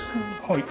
はい。